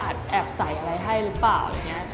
อาจแอบใส่อะไรให้หรือเปล่า